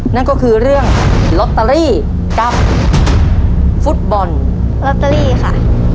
นั่นก็คือเรื่องลอตเตอรี่กับฟุตบอลลอตเตอรี่ค่ะ